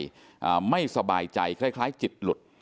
ก็ไม่สบายใจคล้ายจิลหลุท